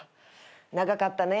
長かったね